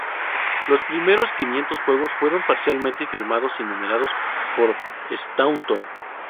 Los primeros quinientos juegos fueron parcialmente firmados y numerados por Staunton.